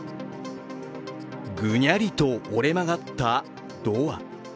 ぐにゃりと折れ曲がったドア。